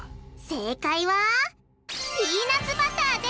正解はピーナツバターです！